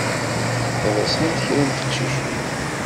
Ḍsant kra n teqcicin.